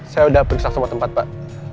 saya sudah periksa semua tempat pak